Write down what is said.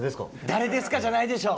誰ですかじゃないでしょ。